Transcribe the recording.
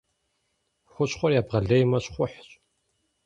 Хущхъуэр ебгъэлеймэ — щхъухьщ.